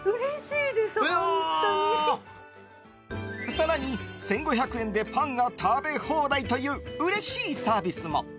更に１５００円でパンが食べ放題といううれしいサービスも。